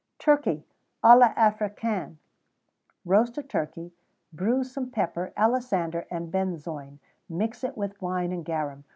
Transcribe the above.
Turkey à l'Africaine. Roast a turkey; bruise some pepper, alisander, and benzoin; mix it with wine and garum.